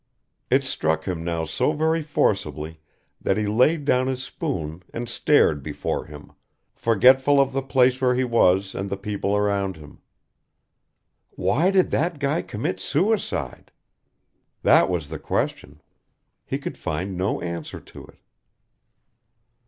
It struck him now so very forcibly that he laid down his spoon and stared before him, forgetful of the place where he was and the people around him. "Why did that guy commit suicide?" That was the question. He could find no answer to it.